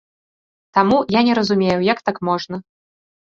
Таму, я не разумею, як так можна.